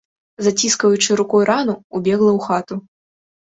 Заціскаючы рукой рану, убегла ў хату.